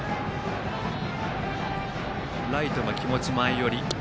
ライトが気持ち前寄り。